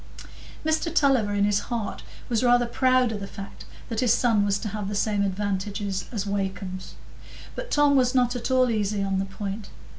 Mr Tulliver in his heart was rather proud of the fact that his son was to have the same advantages as Wakem's; but Tom was not at all easy on the point.